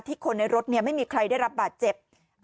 คนในรถไม่มีใครได้รับบาดเจ็บ